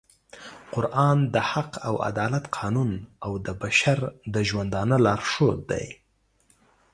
قرآن د حق او عدالت قانون او د بشر د ژوندانه لارښود دی